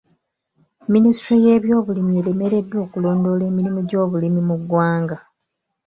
Minisitule y'ebyobulimi eremereddwa okulondoola emirimu gy'obulimi mu ggwanga.